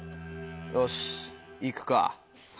よしいくか。